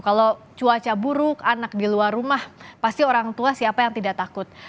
kalau cuaca buruk anak di luar rumah pasti orang tua siapa yang tidak takut